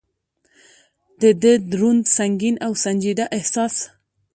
د ده دروند، سنګین او سنجیده احساس.